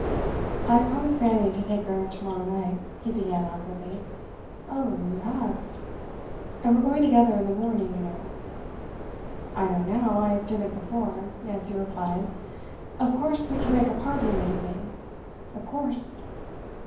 'I promised Fanny to take her to morrow night,' he began awkwardly. 'Oh, you have?' 'And we're going together in the morning, you know.' 'I know now. I didn't before,' Nancy replied. 'Of course we can make a party in the evening.' 'Of course.